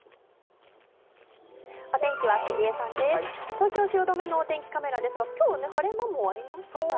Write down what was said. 東京・汐留のお天気カメラですが、きょうは晴れ間もありましたよね。